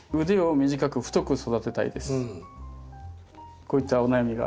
こういったお悩みが。